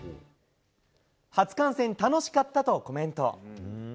初観戦、楽しかったとコメント。